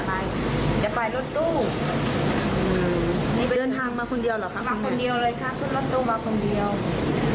แม่เห็นลูกนอนกว่ากับเคียงแล้ว